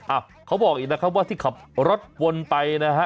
เขาบอกอีกนะครับว่าที่ขับรถวนไปนะฮะ